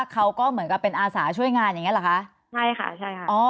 เขาก็เหมือนกับเป็นอาสาช่วยงานอย่างเงี้เหรอคะใช่ค่ะใช่ค่ะอ๋อ